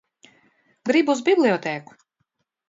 Gribu uz bibliotēku.